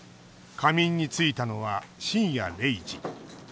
仮眠についたのは深夜０時。